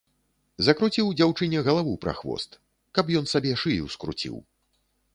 Закруціў дзяўчыне галаву прахвост, каб ён сабе шыю скруціў.